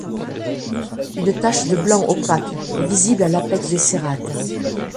Une tache de blanc opaque est visible à l'apex des cérates.